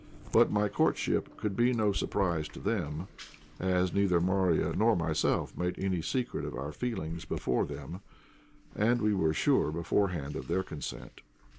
But my courtship could be no surprise to them, as neither Marya nor myself made any secret of our feelings before them, and we were sure beforehand of their consent.